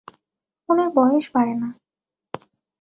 ওনার বয়স বাড়ে না!